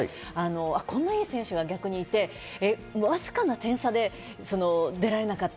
こんないい選手がいてわずかな点差で出られなかった。